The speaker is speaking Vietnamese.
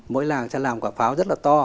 mỗi làng sẽ làm quả pháo rất là to